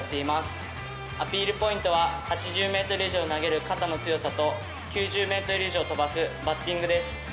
アピールポイントは８０ｍ以上投げる肩の強さと９０ｍ以上飛ばすバッティングです。